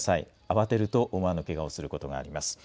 慌てると思わぬけがをすることがあります。